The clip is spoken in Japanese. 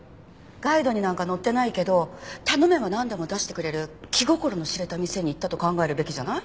ガイドになんか載ってないけど頼めばなんでも出してくれる気心の知れた店に行ったと考えるべきじゃない？